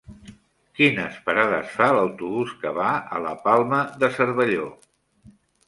Quines parades fa l'autobús que va a la Palma de Cervelló?